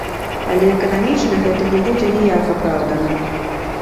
Але эканамічна гэта не будзе ніяк апраўдана.